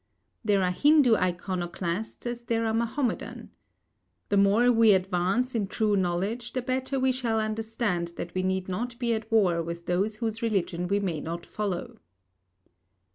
There are Hindu iconoclasts as there are Mahomedan. The more we advance in true knowledge, the better we shall understand that we need not be at war with those whose religion we may not follow.